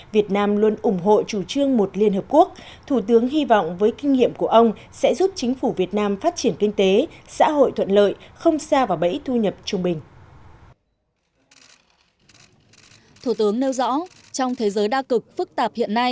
việt nam luôn ủng hộ chủ trương một liên hợp quốc thủ tướng hy vọng với kinh nghiệm của ông sẽ giúp chính phủ việt nam phát triển kinh tế xã hội thuận lợi không xa vào bẫy thu nhập trung bình